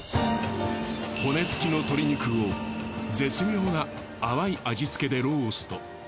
骨付きの鶏肉を絶妙な淡い味付けでロースト。